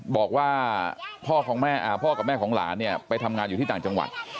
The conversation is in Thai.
บอกว่าพ่อกับแม่ของหลานไปทำงานอยู่ที่ต่างจังหวัด